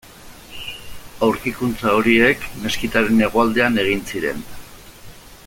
Aurkikuntza horiek meskitaren hegoaldean egin ziren.